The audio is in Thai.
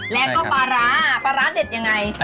แล้วก็ปลาร้าปลาร้าเด็ดยังไง